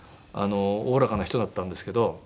おおらかな人だったんですけど。